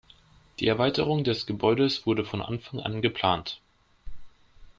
Die Erweiterung des Gebäudes wurde von Anfang an geplant.